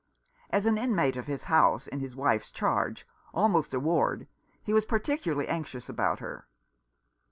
As an inmate of his house, in his wife's charge, almost a ward, he was particularly anxious about her.